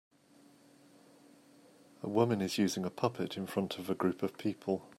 A woman is using a puppet in front of a group of people.